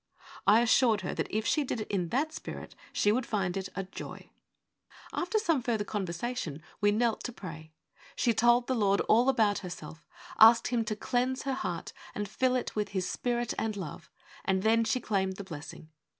I assured her that if she did it in that spirit she would find it a joy. 34 THE WAY OF HOLINESS After some further conversation we knelt to pray. She told the Lord all about her self, asked Him to cleanse her heart and fill it with His Spirit and love, and then she claimed the blessing.